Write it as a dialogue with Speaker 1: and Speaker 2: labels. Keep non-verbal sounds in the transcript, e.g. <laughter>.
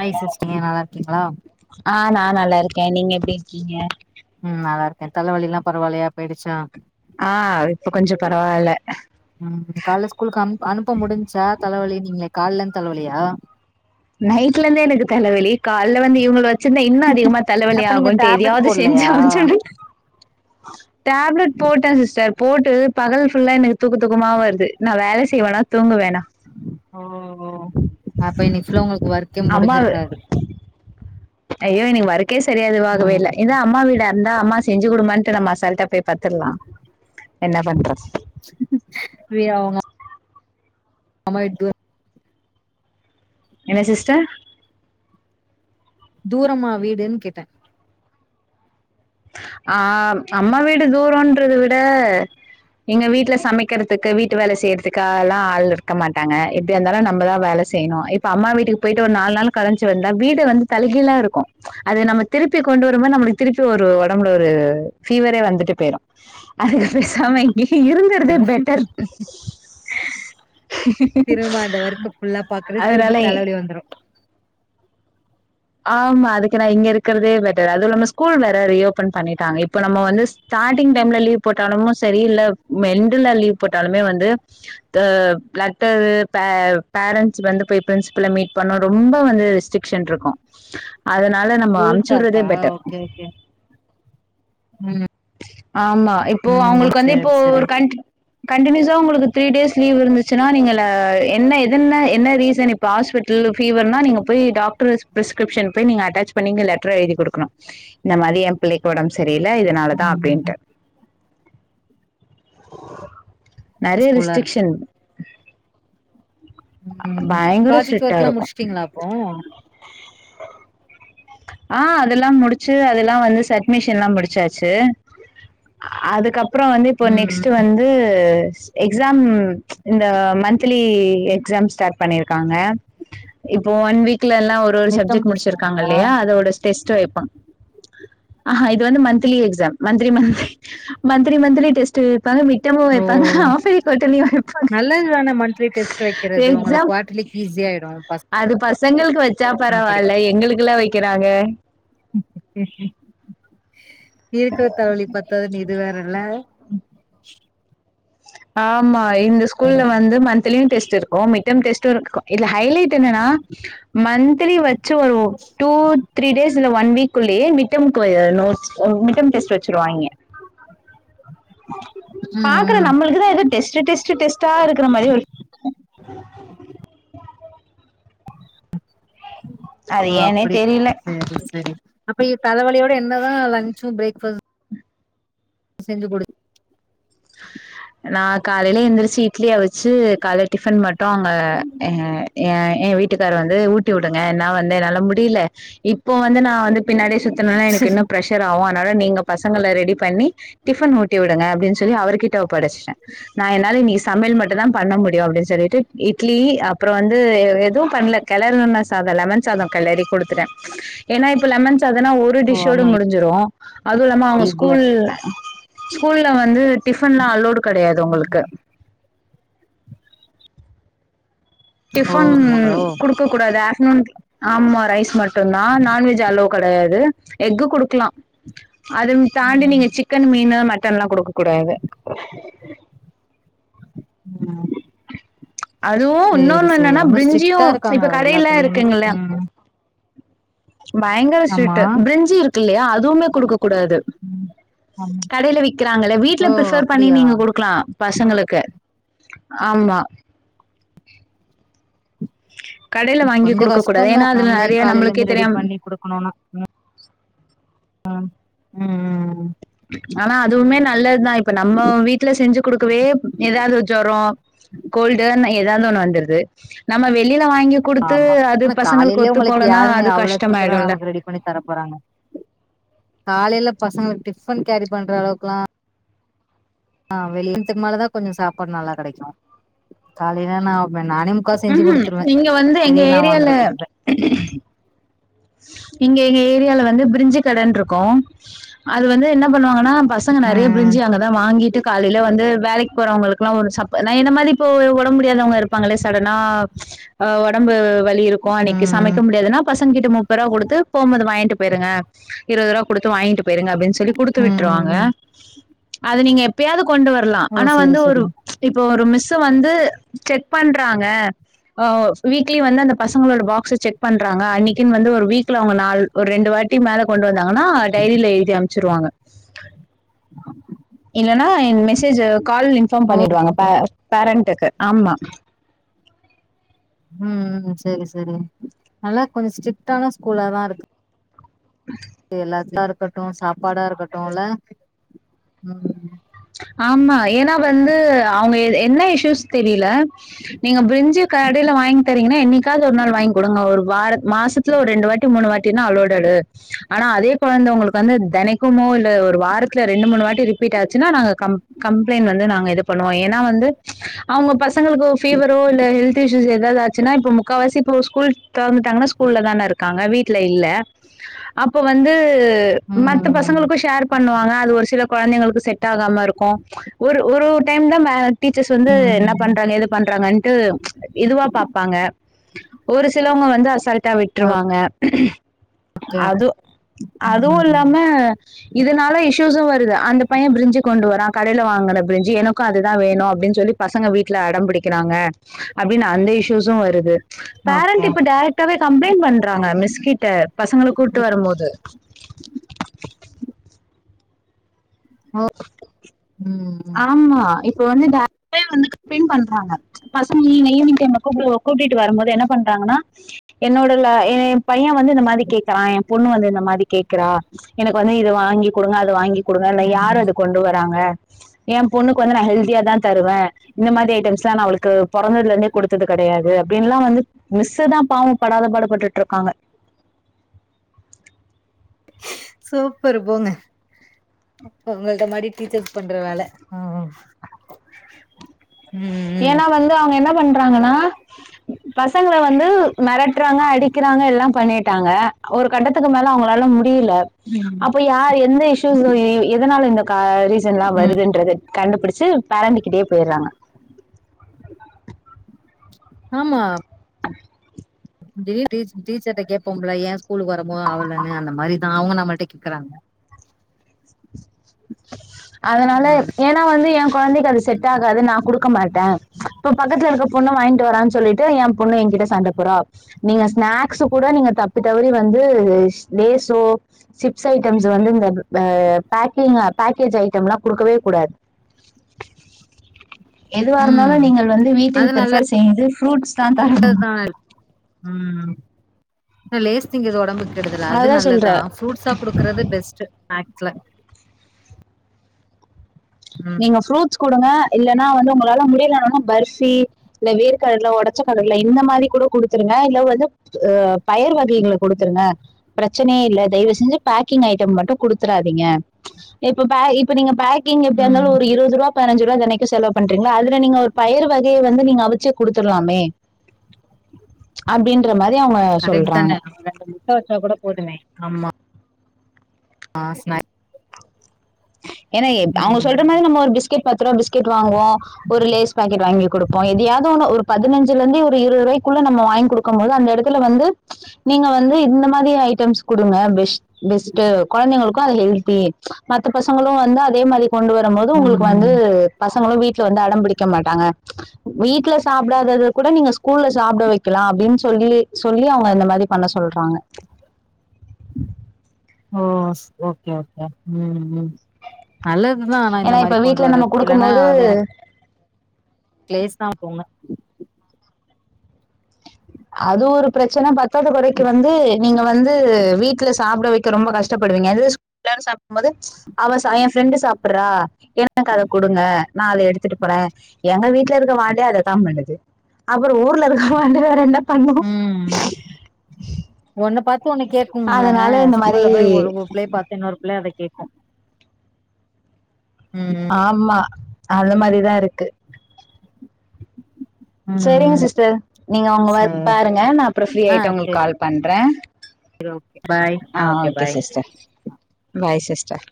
Speaker 1: Hi sister நல்லா இருக்கீங்களா
Speaker 2: ஆ நா நல்லா இருக் கேன் நீங்க எப்டி இருக்கீங்க
Speaker 1: என் தல வலிலா பரவாயில்லையா போயிடுச்சா
Speaker 2: ஆ இப்ப கொஞ்சோ பரவால்ல
Speaker 1: ம் கால்ல ஸ்கூலுக்கு அனு அனுப்ப முடின்ச்சா தலைவலி நீங்க கால்ல இருந்து தலைவலியா
Speaker 2: நைட்ல இந்தே எனக்கு தலவலி கால்ல வந்து இவங்கள வ சின்தா இன்னும் அதிகமா தலவலி
Speaker 1: அப்ப நீங்க
Speaker 2: ஆகுன் தெரியும்
Speaker 1: டேப்லெட்
Speaker 2: அது செஞ்சி
Speaker 1: போடலையா
Speaker 2: அம்ச்ச ஒன்னே டேப்லெட் போட்டேன் சிஸ்டர் போட்டு பகல் ஃபுல்லா எனக்கு தூக்க தூக்கமா வருது நான் வேல செய்வனா தூங்குவேணா
Speaker 1: ஓ ஓ அப்ப இன்னைக் சிவுலா உங்களுக்கு ஒர்க்கே முடிஞ்சிருக்காது
Speaker 2: அய்யோ நீங்க வர கே சரியா இதுவாகவே
Speaker 1: ம்
Speaker 2: இல்ல இதே அம்மா வீடா இந்தா அம்மா செஞ்சி குடுமான்ட்டு நம்ம அசால்ட்டா போய் பத்துரலாம் என்ன பண்ற
Speaker 1: வே அவுங்க ஆமா எட்டு
Speaker 2: என்ன சிஸ்டர்
Speaker 1: தூரமா வீடுன்னு கேட்டன்
Speaker 2: ஆஹ் அம்மா வீடு தூரம்ன்றத விட எங்க வீட்டுல சமைக்கிறதுக்கு வீட்டு வேலை செய்யறதுக்க எல்லாம் ஆள் இருக்க மாட்டாங்க இப்படி இருந்தாலும் நம்மதான் வேலை செய்யணும் இப்ப அம்மா வீட்டுக்கு போயிட்டு ஒரு நாலு நாள் கலைச்சு வந்தா வீடு வந்து தலகிழாருக்கும் இருக்கும் அது நம்ம திருப்பி கொண்டு வரும்போது நம்மளுக்கு திருப்பி ஒரு உடம்புல ஒரு பீவரே வந்துட்டு போயிரும் அதுக்கு பேசாம மிக இருந்தறதே பெட்டர்
Speaker 1: திரும்ப அந்த ஒர்க்க ஃபுல்லா பாக்குறது
Speaker 2: அதுனால
Speaker 1: திரும்ப தலைவலி வந்துரு
Speaker 2: ஆமா அதுக்கு நான் இங்க இருக்கிறதே பெட்டர் அதுவும் நம்ம ஸ்கூல் வேற ரீஓபன் பண்ணிட்டாங்க இப்ப நம்ம வந்து ஸ்டார்டிங் டைம்ல லீவ் போட்டாலுமும் சரி இல்ல எண்டுல லீவ் போட்டாலுமே வந்து் லெடர்ரு பேரண்டட்ஸ் வந்து போய் பிரின்சிபல்ல மீட் பண்ணும் ரொம்ப வந்து ரெஸ்ட்ரிக்ஷன் இருக்கும் அதுனால நம்ம அமைச்சு
Speaker 1: ரூல்ஸா
Speaker 2: விடுறதே
Speaker 1: இருக்கா
Speaker 2: பெட்டர்
Speaker 1: உம்
Speaker 2: ஆமா இப்போ அவங்களுக்கு வந்து இப்போ
Speaker 1: சேரி
Speaker 2: ஒரு கண்டினியூஸா உங்களுக்கு த்ரீ டேஸ் லீவ் இருந்துச்சுன்னா நீங்க என்னன என்ன ரீசன் இப்ப ஹாஸ்பிடல் பீவர்னா நீங்க போய் டாக்டர் பிஸ்கிரிப்ஷன் போய் நீங்க அட்டாச் பண்ணிங்க லெட்டர் எழுதி குடுக்கணும் இந்த மாதிரி எம்ச எல்லாம் இதனாலதான்
Speaker 1: ம்
Speaker 2: <inaudible> நிறைய
Speaker 1: ஸ்கூலா இருக்கு
Speaker 2: ரெஸ்ட்ரிக்ஷன்
Speaker 1: உம்
Speaker 2: பயங்கர
Speaker 1: ப்ராஜெக்ட்
Speaker 2: ஸ்ட்ரிக்ட்டா
Speaker 1: ஒர்க் எல்லாம்
Speaker 2: இருக்கும்.
Speaker 1: முடிச்சுட்டீங்களா அப்போ
Speaker 2: ஆஹ் அதெல்லாம் முடிச்சு அதெல்லாம் வந்து அட்மிஷன்லாம் முடிச்சாச்சு அதுக்கப்புற அப்புறம் வந்து இப்போ
Speaker 1: ம்
Speaker 2: நெக்ஸ்ட்ட்
Speaker 1: ம்
Speaker 2: வந்து எக்ஸாம் இந்த மந்த்லி எக்ஸாம் ஸ்டார்ட் பண்ணிருக்காங்க இப்போ ஒன் வீக் ல்லாம் ஒரு
Speaker 1: மிட் டேர்ம்
Speaker 2: சப்ஜெக்ட்
Speaker 1: டெஸ்ட்
Speaker 2: முடிச்சிருக்காங்க
Speaker 1: மாரியா
Speaker 2: இல்லையா அதோட டெஸ்ட் வைப்பன் ஆஹா இது வந்து monthly exam monthly monthly monthly monthly test வைப்பாங்கமும்
Speaker 1: ஓ
Speaker 2: வைப்பாங்க ஆப் பெலி வைப்பாங்க
Speaker 1: நல்லதுதான மந்த்லி டெஸ்ட் வைக்கிறது உங்களுக்கு
Speaker 2: எக்ஸாம்
Speaker 1: குவார்டர்லிக்கு ஈஸி ஆயிடு
Speaker 2: அது ப செங்கல்பட் ச்சா
Speaker 1: பசங்க படிக்க
Speaker 2: பரவாயில்ல எங்களுக்கு எல்லாம் வைக்கிறாங்க
Speaker 1: <inaudible> இருக்கிற தோழி பத்தாதுன்னு இது வேற இல்ல
Speaker 2: ஆமா இந்த ஸ்கூல்ல வந்து மந்த்லியும் டெஸ்ட் இருக்கும் மீட் மிடம்டெஸ்ட் இருக்கும் இதுல ஹைலைட் என்னன்னா மந்த்லி வச்ச two three days one week இல்லையே மிட்டம் நோட்ஸ் டெஸ்ட் வச்சருவாங்க பாக்குற
Speaker 1: ம் ம்
Speaker 2: நம்மளுக்குதா எதோ டெஸ்ட்டு டெஸ்ட்டு டெஸ்ட்டா இருக்குற மாரி ஒரு <inaudible> அது
Speaker 1: ஓ
Speaker 2: ஏன்னே
Speaker 1: அப்பிடி
Speaker 2: தெரியல.
Speaker 1: செரி செரி அ ப்டி தலவலியோட என்னதா லன்ச்சு பிரேக்ஃபாஸ் ட் செஞ்சு குடு
Speaker 2: நா காலைல எந்திரிச்சு இட்லி அவிச்சு கால டிஃபன் மட்டு அங்க எ எ எங்க வீட்டுக்கார வந்து ஊட்டி விடுங்க ஏன்னா வந்து என்னால முடியல இ ப்போ வந்து நா வந்து பின்னாடியே சுத்துனனா எனக்கு இன்னு பிரெஷர் ஆவு அத னால நீங்க பசங்கள ரெடி பண்ணி டிஃபன் ஊட்டி விடுங்க அப்டின்னு சொல்லி அவர்கிட்ட ஒப்படைச்சுட்டே நா என்னால இனி சமையல் மட்டுந்தா பண்ண முடியு அப்டின் சொல்லிட்டு இட்லி அப்புறோ வந்து அ எதுவு பண்ல கெளறுன சாதோ லெமன் சாதோ கெளறி குடுத்துட்டே ஏன்னா இப்ப லெமன் சாதோன்னா ஒரு
Speaker 1: ஓ
Speaker 2: டிஷ்ஷோட
Speaker 1: ஆமா
Speaker 2: முடிஞ்சிரு அது இல்லாம அவங்க
Speaker 1: ஈஸியா
Speaker 2: ஸ்கூல் ஸ்கூல்ல வந்து டிஃபன்லா அலோடு கெடையாது அவுங்களுக்கு
Speaker 1: ஓ
Speaker 2: டிஃபன்
Speaker 1: பண்ணுவாங்களோ
Speaker 2: குடுக்கக் கூடாது ஆ ஃப்டர்நூன் ஆமா ரைஸ் மட்டுந்தா நான்வெஜ் அலோவ் கெடையாது எக்கு குடுக்கலா அதவு தாண்டி நீங்க
Speaker 1: ம்
Speaker 2: சிக்கன் மீனு மட் டன்லா குடுக்கக் கூடாது
Speaker 1: ம்
Speaker 2: அதுவு இன்னொன்னு என்னனா பிரிஞ்சியு
Speaker 1: ஸ்ட்ரிக்டா இருக்காங்க
Speaker 2: இப்ப கடைல
Speaker 1: எல்லாத்துலயுமே
Speaker 2: இருக்குங்கல்ல
Speaker 1: ம்
Speaker 2: பயங்கர
Speaker 1: ஆமா
Speaker 2: ஸ்ட்ரிட்டு பிரிஞ்சி இருக்கில்லயா அதுவுமே குடுக்க கூடாது
Speaker 1: ம் ஆமா
Speaker 2: கடைல விக்கிறாங்களே வீட்ல
Speaker 1: ஓ
Speaker 2: பிரிஃபர் பண்ணி
Speaker 1: அப்டியா
Speaker 2: நீங்க குடுக்கலா பசங்களுக்கு ஆமா கடையில வாங்கி
Speaker 1: கொஞ்ச
Speaker 2: குடுக்க கூடாது
Speaker 1: கஷ்டோந்தா
Speaker 2: ஏன்னா அதுல
Speaker 1: நம்மளே
Speaker 2: நெறைய
Speaker 1: காலைல
Speaker 2: நம்மளுக்கே
Speaker 1: இருந்து ரெடி
Speaker 2: தெரியாம
Speaker 1: பண்ணி குடுக்கணுனா ம் ம் ம் ம்
Speaker 2: ஆனா அதுவுமே நல்லதுதா இப்ப நம்ம வீட்ல செஞ்சு குடுக்கவே எதாவது ஜொரோ கோல்டுன்னு எதாவது ஒண்ணு வந்துருது நம்ம வெளி
Speaker 1: ஆமா ஆனா காலைலயே உங்களுக்கு
Speaker 2: போலன்னா
Speaker 1: யாருங்க
Speaker 2: அது
Speaker 1: அவ்ளோ சீக்கிரோ
Speaker 2: கஷ்டமாயிடும்ல
Speaker 1: நமக்கு ரெடி பண்ணி தர போறாங்க காலைல பசங்களுக்கு டிஃபன் கேரி பண்ற அளவுக்கெலா ஆ வெளிய மதியத்துக்கு மேலதா கொஞ்சோ சாப்பாடு நல்லா கெடைக்கு காலைல நா நானே முக்கா செஞ்சு
Speaker 2: ம்ஹும்
Speaker 1: குடுத்துருவே
Speaker 2: இங்க வந்து எங்க
Speaker 1: வெளியெல்லா
Speaker 2: ஏரியால
Speaker 1: வாங்குறதுக்கு இல்ல
Speaker 2: இங்க எங்க ஏரியால வந்து பிரிஞ்சி கடன்னு இருக்கு அது வந்து என்ன பண்ணுவாங்கன்னா பசங்க நெறைய
Speaker 1: ம்
Speaker 2: பிரிஞ்சி அங்கதா வாங்கிட்டு காலைல வந்து வேலைக் போறவங்களுக்கு எல்லாம் ஒரு ச நான் என்ன மாதிரி இப்ப உடம்பு முடியாதவங்க இருப்பாங்களே சடனா உடம்பு வவி இருக்கும் அன்னைக்கு
Speaker 1: ம்
Speaker 2: சமைக்க முடியாதுன்னா பசங்க கிட்ட கொடுத்து போகும் போது வாங்கிட்டு போயிருங்க இருபது ரூபா கொடுத்து வாங்கிட்டு போய் பெருங்க அப்படின்னு சொல்லி குடுத்து
Speaker 1: ம்
Speaker 2: விட்டுருவாங்க
Speaker 1: ம்.
Speaker 2: அது நீங்க எப்பயாவது கொண்டு வரலாம்
Speaker 1: ஓ
Speaker 2: ஆனா
Speaker 1: செரி
Speaker 2: வந்து ஒரு
Speaker 1: செரி
Speaker 2: இப்ப ஒரு மிஸ் வந்து செக் பண்றாங்க வீக்லி வந்து அந்த பசங்களோட பாக்ஸ் செக் பண்றாங்க அன்னனைக்குனு வந்து ஒரு வீக்ல அவங்க நாள் ஒரு ரெண்டு வாட்டி மேல கொண்டு வந்தாங்க ஆனா டைரியில எழுதி அமைச்சுருவாங்க <inaudible>
Speaker 1: ம்
Speaker 2: இல்லன்னா என் மெசேஜ் கால் இன்ஃபார்ம்
Speaker 1: ஓ
Speaker 2: பண்ணிடுவாங்க
Speaker 1: ம்
Speaker 2: பேரண்ட்டுக்கு ஆமா
Speaker 1: ம் சரி சரி நல்லா கொஞ்சம் ஸ்ட்ரிக்டான ஸ்கூல தான் இருக்கு வெளாட்டா இருக்கட்டும் சாப்பாடா இருக்கட்டும் இல்ல உம்
Speaker 2: ஆமா ஏன்னா வந்து அவங்க என்ன இஷயூஸ் தெரியல நீங்க பிரிஞ்சு கடையில வாங்கி தரீங்கன்னா என்னைக்காவது ஒரு நாள் வாங்கி கொடுங்க ஒரு வாரத்தை மாசத்துல ஒரு ரெண்டு வாட்டி மூணு வாட்டினா அளோடடு ஆனா அதே குழந்தை உங்களுக்கு வந்து தெனைக்கும் இல் ஒரு வாரத்துல ரெண்டு மூணு வாட்டி ரிப்பீட் ஆக னா நாங்க கம்ப்ளைண்ட் வந்து நாங்க இது பண்ணுவோம் ஏன்னா வந்து அவங்க ப ங்களுக்கு பீவரோ இல்லஹெல்த் இ எதாவாச்சன்னா இப்ப முக்காசி ஸ்கூல் திறந்துட்டாங்கனா ஸ்கூல்ல தானே இருக்கும் இருக்கங்க வீட்டுல இல்ல அப்ப வந்து மத்த
Speaker 1: ம்
Speaker 2: பசங்களுக்கும் ஷேர் பண்ணுவாங்க அது ஒரு சில கொழந்தைங்களுக்கு செ ட் ஆகாம இருக்கும் ஒரு ஒரு டைம் தான் டீச்சர்ஸ் வந்து என்ன
Speaker 1: ம்
Speaker 2: பண்றாங்க எது பண்றாங்கன்ட்டு இதுவா பாப்பாங்க ஒரு சிலவங்க வந்து அச ட்டா
Speaker 1: ஓகே
Speaker 2: விட்டுருவாங்க
Speaker 1: ஓகே
Speaker 2: அது அதுவும்
Speaker 1: ம்
Speaker 2: இல்லாம இதனால இஸ்சுஸ்ம் வருது அந்த பையன் பிரிஞ்ச கொண்டு வரான் கடையில வாங்குற பிரிஞ்சி எனக்கும் அதுதான் வேணும் அப்படின் சொல்லி பசங்க வீட்டுல அடம்பிடிக்கிறாங்க அப்டின்னு அந்த இஸ்யூஸ் பிஞ்சு வருது
Speaker 1: ஓகே
Speaker 2: பேரண்ட் இப்போ டேரக்டாவே கம்ளைண்ட் பண்றாங்க மிஸ் கிட்ட பசங்கள கூட்டு வரம்போது
Speaker 1: ஓ ம்
Speaker 2: ஆமா இப்ப வந்து இந்த ஏ அப்பயே வந்து கம்புளைண் பண்றாங்க பசங்க ஈவினி ஈவினிங் டைம்ல கூப்டுவோ கூட்டிட்டு வரம்போதே என்ன பண்றாங்கன்னா என்னோடல எம் பைய வந்து இந்த மாதிரி கேக்கறா எம் பொண்ணு வந்து இந்த மாரி கேக்கறா எனக்கு வந்து இது வாங்கி குடுங்க அத வாங்கி குடுங்க இல்ல
Speaker 1: ம் ம்
Speaker 2: யாராவது வராங்க ஏம் பொண்ணுக்கு வந்து நா ஹெல்தியாதா தருவ இந்த மாரி ஐடம்ஸ்லா நா அவளுக்கு பொறந்ததுல இருந்தே குடுத்தது கெடையாது அப்டின்லா வந்து மிஸ்சுதா பாவோ படாத பாடு பட்டுட்ருக்காங்க
Speaker 1: சூப்பர்ரு போங்க உங்களுக்கு அந்த மாரி டீச்சர்ஸ் பண்ற வேல ம் ம்
Speaker 2: ஏனா வந்து அவங்க என்னம் பண்றாங்கன்னா பசங்கள வந்து மெரட்டுறாங்க அடிக்கிறாங்க எல்லாம் பண்ணிட்டாங்க ஒரு கட்டத்துக்கு மேல அவங்களால முட் முடியில
Speaker 1: ம்
Speaker 2: அப்போ யாரு எந்த இஸ்யூஸ்ஸு எதனால இந்த கா ரீசன்ல்லா
Speaker 1: ம்
Speaker 2: வருதுன்றது கண்டுபுடுச்சு பேரண்ட்டு கிட்டயேப் போய்றாங்க
Speaker 1: ஆமா
Speaker 2: அம்
Speaker 1: திடீர்னு டீச் டீச்சர் கிட்ட கேப்போம்ல ஏ ஸ்கூலுக்கு வரமோ அவளன்னு அந்த மாரிதா அவங்க நம்மல்ட கேக்கறாங்க
Speaker 2: அதனால
Speaker 1: ம்
Speaker 2: எப் ஏன்னா வந்து எம் நம் கொழந்தைக்கு அது செட் ஆகாது நா குடுக்க மாட்ட இப்போ பக்கத்துல இருக்க பொண்ணு வாங்கிட்டு வரான் சொல்லிட்டு எம் பொண்ணு என்கிட்ட சண்ட போறா நீங்க ஸ்நேக்ஸ்ஸு கூட நீங்க தப்பி தவறி வந்து லேசோ சிப்ஸ் ஐடம்ஸ்ஸு வந்து <unintelligible> பே பேக்கிங் ஏப் பேக்கேஜ் ஐட்டம்லா குடுக்கவே கூடாது எதுவா இருந்தாலு
Speaker 1: ம்
Speaker 2: நீங்கள் வந்து
Speaker 1: அது
Speaker 2: வீட்டில் பிரிஃபேர் செய்து ஃப்ரூட்ஸ் தா தரனு
Speaker 1: நல்லதுதா ஆனா லேஸ் திங்கறது ஒடம்புக் கெடுதல் அது
Speaker 2: அதான்
Speaker 1: நல்லதா
Speaker 2: சொல்றேன்
Speaker 1: ஃப்ரூட்ஸா குடுக்கறது பெஸ்ட்டு ஏக்சுவலா
Speaker 2: நீங்க ஃப்ரூட்ஸ் குடுங்க இல்லன்னா வந்து உங்களால முடியலனனா பர்ஃபி இல்ல வேர்கடல ஒடச்ச கடல இந்த மாரி கூட குடுத்துருங்க இல்ல வந்து ஆ பயறு வகைகள குடுத்துருங்க பிரச் சனயே இல்ல தயவுசெஞ்சு பேக்கிங் ஐட்டோ மட்டு குடுத்தராதீங்க இப்ப பே இப்ப நீங்க பேக்கி எப்டியா இருந்தாலு
Speaker 1: ம்
Speaker 2: ஒரு இருவது ருவா பதனஞ்சு ருவா தெனைக்கு செலவு பண்றீங்கல்ல அதுல நீங்க ஒரு பயறு வகைய வந்து நீங்க அவிச்சு குடுத்துடலாமே அப்டின்ற மாரி
Speaker 1: கரெக்ட்டுதானே அது ரெண்டு முட்ட வச்சா கூட போதுமே ஆமா ஆ <inaudible>
Speaker 2: ஏன்னா எ அவங்க சொல்ற மாரி நம்ம ஒரு பிஸ்கெட் பத்து ரூவா பிஸ்கெட் வாங்குவோ ஒரு லேஸ் பேக்கெட் வாங்கி குடுப்போ எதையாது ஒன்னு ஒரு பதனஞ்சுல இருந்து ஒரு இருவது ரூவாய்க்குள்ள நம்ம வாங்கி குடுக்கும் போது அந்த எடத்துல வந்து நீங்க வந்து இந்த மாதிரி ஐட்டம்ஸ் குடுங்க பெஸ் பெஸ்ட்டு கொழந்தைங்களுக்கு அது ஹெல்த்தி ம த்த பசங்களு வந்து அதே மாரி கொண்டு வரும் போது உங்களுக்கு வந்து
Speaker 1: ம்
Speaker 2: பச ங்களு வீட்ல வந்து அடம் பிடிக்க மாட்டாங்க வீட்ல சாப்டாதத கூட நீங்க ஸ்கூல்ல சாப்ட வைக்கலா அப்டின்னு சொல்லி சொல்லி அவங்க இந்த மாரி பண்ண சொல்றாங்க
Speaker 1: ஓ ஸ் ஓகே ஓகே ம் ம் நல்ல துதா ஆனா இந்த
Speaker 2: ஏன்னா
Speaker 1: மாரி
Speaker 2: இப்ப
Speaker 1: கொண்டு
Speaker 2: வீட்ல நம்ம
Speaker 1: வரது இல்லன்னா
Speaker 2: கொடுக்கும்போது
Speaker 1: அது எனக் க்ளேஸ்தா போங்க
Speaker 2: அது ஒரு பிரச்சன பத் தாத கொறைக்கி வந்து நீங்க வந்து வீட்ல சாப்ட வைக்க ரொம்ப கஷ்டப்படுவீங்க அதே ஸ்கூல்ல சாப்டும்போது அவ சா யேன் ஃப்ரெண்டு சாப்பட்றா எனக்கு அத குடுங்க நா அத எடுத்துட்டு போறே எங்க வீட்ல இருக்க வாண்டே அதத்தா பண்ணுது அப்புறோ ஊர்ல இருக்க வாண்டுல வேற என்ன பண்ணும்
Speaker 1: ம் ஒன்ன பாத் து ஒண்ணு கேக்கு இல்லங்க
Speaker 2: அதனால இந்த மாரி
Speaker 1: ஸ்கூல்ல போய் ஒரு ஒரு பிள்ளய பாத்து இன்னொரு பிள்ள அத கேக்கு ம்
Speaker 2: ஆமா அந்த மாரிதா இருக்கு
Speaker 1: ம்
Speaker 2: செரிங்க
Speaker 1: ம்
Speaker 2: சிஸ்டர் நீங்க உங்க வொர்க்
Speaker 1: சேரி
Speaker 2: பாருங்க நா அப்றோ ஃப்ரீ
Speaker 1: ஆ
Speaker 2: ஆயிட்டு உங்களுக்கு
Speaker 1: சேரி
Speaker 2: கால் பண்றே
Speaker 1: ஓகே பாய்
Speaker 2: ஆ okay
Speaker 1: bye
Speaker 2: sister bye sister